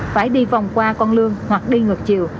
phải đi vòng qua con lương hoặc đi ngược chiều